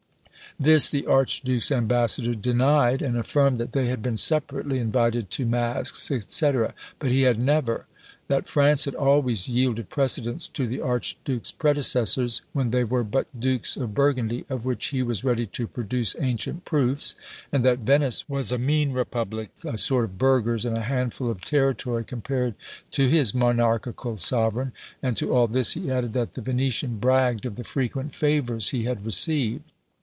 This the archduke's ambassador denied; and affirmed that they had been separately invited to Masques, &c., but he had never; that France had always yielded precedence to the archduke's predecessors, when they were but Dukes of Burgundy, of which he was ready to produce "ancient proofs;" and that Venice was a mean republic, a sort of burghers, and a handful of territory, compared to his monarchical sovereign: and to all this he added, that the Venetian bragged of the frequent favours he had received.